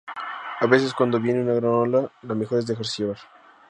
a veces, cuando viene una gran ola, lo mejor es dejarse llevar.